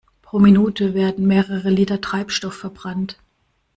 Pro Minute werden mehrere Liter Treibstoff verbrannt.